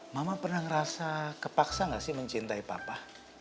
mama pernah ngerasa kepaksa gak sih mencintai papa